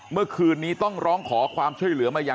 เมื่อคืนนี้ต้องร้องขอความช่วยเหลือมายัง